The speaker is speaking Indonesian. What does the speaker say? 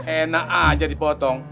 enak aja dipotong